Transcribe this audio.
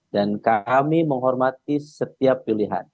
dan kami menghormati setiap pilihan